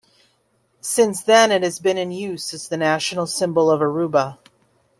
Since then it has been in use as the national symbol of Aruba.